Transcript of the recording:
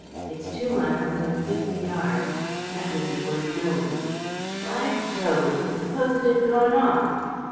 It's two miles and fifty yards. That may be worth knowing." "By Jove! And suppose it had gone off?"